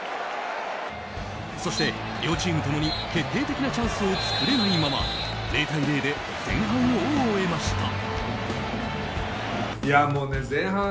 そして両チーム共に決定的なチャンスを作れないまま０対０で前半を終えました。